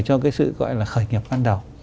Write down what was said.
cho cái sự gọi là khởi nghiệp ban đầu